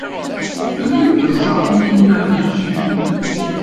Melmi ay teẓẓa Taninna tijeǧǧigin-a?